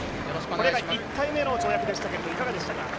これが１回目の跳躍でしたが、いかがでしたか？